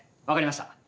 分かりました。